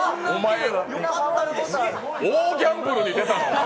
大ギャンブルに出たな、お前。